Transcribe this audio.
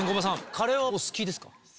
カレーはお好きですか？